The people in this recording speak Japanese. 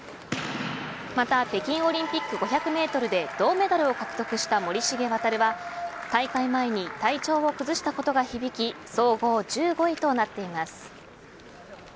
また北京オリンピック５００メートルで銅メダルを獲得した森重航は大会前に体調を崩したことが響き総合１５位となっています。